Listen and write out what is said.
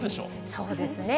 そうですね。